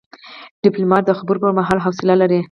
ډيپلومات د خبرو پر مهال حوصله لري.